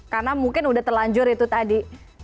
karena mungkin sudah telanjur itu tadi